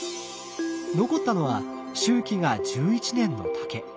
残ったのは周期が１１年の竹。